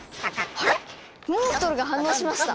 あれっモンストロが反応しました。